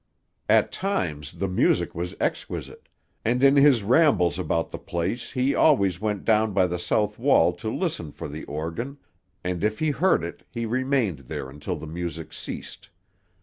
At times the music was exquisite, and in his rambles about the place he always went down by the south wall to listen for the organ, and if he heard it he remained there until the music ceased.